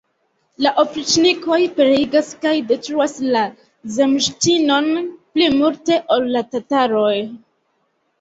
La opriĉnikoj pereigas kaj detruas la zemŝĉinon pli multe ol la tataroj.